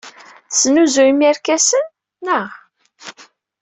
Tesnuzuyemt irkasen, naɣ?